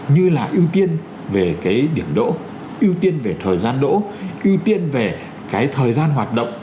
như là ưu tiên về cái điểm đỗ ưu tiên về thời gian đỗ ưu tiên về cái thời gian hoạt động